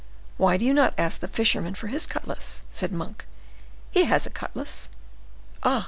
"Why do you not ask the fisherman for his cutlass?" said Monk; "he has a cutlass." "Ah!